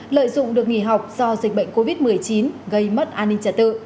lợi dụng được nghỉ học do dịch bệnh covid một mươi chín gây mất an ninh trả tự